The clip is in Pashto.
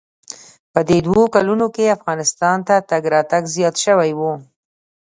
په دې دوو کلونو کښې افغانستان ته تگ راتگ زيات سوى و.